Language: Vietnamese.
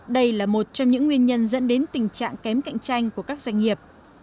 đây là một trong những nguyên nhân dẫn đến tình trạng kém cạnh tranh của các doanh nghiệp